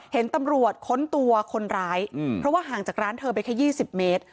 เห็นตำรวจค้นตัวคนร้ายเพราะว่าห่างจากร้านเธอไปแค่๒๐เมตร